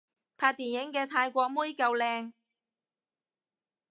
拍電影嘅泰國妹夠靚